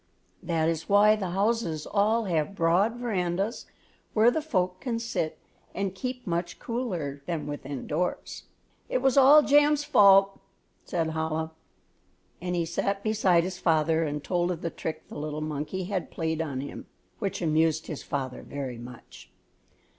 That is why the houses all have broad verandas, where the folk can sit and keep much cooler than within doors. "It was all Jam's fault," said Chola, and he sat beside his father and told of the trick the little monkey had played him, which amused his father very much.